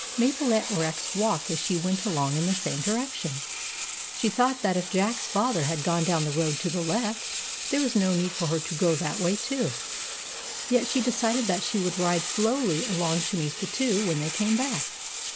Mabel let Rex walk as she went along in the same direction. She thought that if Jack's Father had gone down the road to the left, there was no need for her to THE RESCUE OF JACK 209 go that way too ; yet she decided that she would ride slowly along to meet the two when they came back.